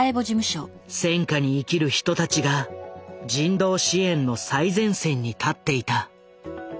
戦禍に生きる人たちが人道支援の最前線に立っていた。